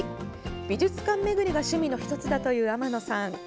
美術館巡りが趣味の１つだという天野さん。